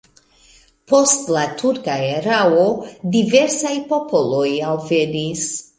Post la turka erao diversaj popoloj alvenis.